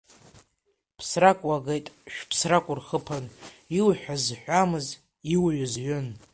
Ԥсрак уагеит, шә-ԥсрак урхыԥан, иуҳәаз ҳәамыз, иуҩыз ҩын.